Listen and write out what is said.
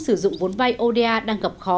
sử dụng vốn vay oda đang gặp khó